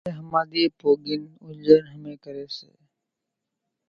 پسي ۿماۮيئين پوڳين اُوڃان ۿمي ڪري سي